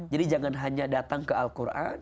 jadi jangan hanya datang ke al quran